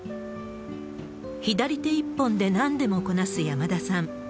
左手一本でなんでもこなす山田さん。